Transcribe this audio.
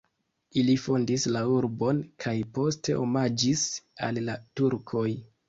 Ili fondis la urbon kaj poste omaĝis al la turkoj.